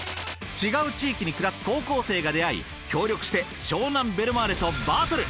違う地域に暮らす高校生が出会い協力して湘南ベルマーレとバトル！